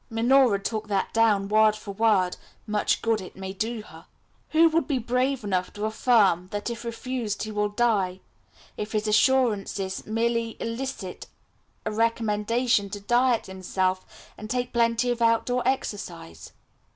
Minora took that down word for word, much good may it do her. "Who would be brave enough to affirm that if refused he will die, if his assurances merely elicit a recommendation to diet himself, and take plenty of outdoor exercise?